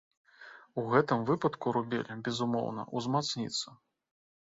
У гэтым выпадку рубель, безумоўна, узмацніцца.